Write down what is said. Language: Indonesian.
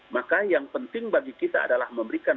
maka yang penting bagi kita adalah memberikan